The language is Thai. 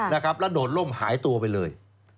แล้วโดดล่มหายตัวไปเลย